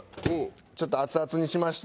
ちょっと熱々にしました。